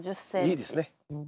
いいですね。